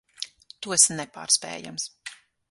Tu esi nepārspējams.